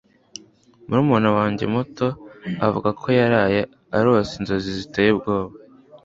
Murumuna wanjye muto avuga ko yaraye arose inzozi ziteye ubwoba.